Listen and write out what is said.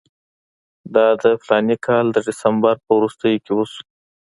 دا د فلاني کال د ډسمبر په وروستیو کې وشو.